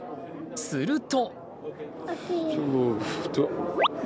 すると。